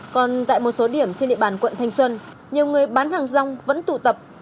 còn tại một số điểm trên địa bàn quận thanh xuân nhiều người bán hàng rong vẫn tụ tập